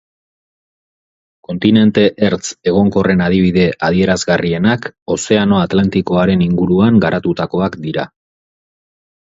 Kontinente-ertz egonkorren adibide adierazgarrienak ozeano Atlantikoaren inguruan garatutakoak dira.